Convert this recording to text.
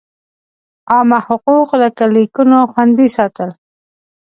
عامه حقوق لکه لیکونو خوندي ساتل.